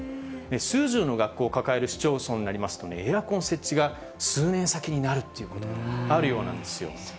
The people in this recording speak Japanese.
数十の学校を抱える市町村になりますと、エアコン設置が数年先になるっていうことはあるようなんですよ。